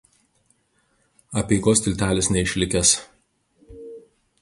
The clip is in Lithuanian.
Apeigos tiltelis neišlikęs.